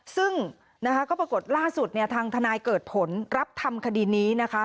ซึ่งนะคะก็ปรากฏล่าสุดเนี่ยทางทนายเกิดผลรับทำคดีนี้นะคะ